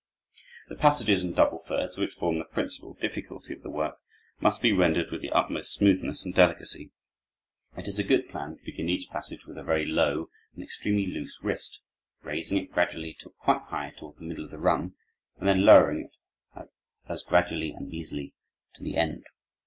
The passages in double thirds, which form the principal difficulty of the work, must be rendered with the utmost smoothness and delicacy. It is a good plan to begin each passage with a very low and extremely loose wrist, raising it gradually till quite high toward the middle of the run and then lowering it as gradually and easily to the end.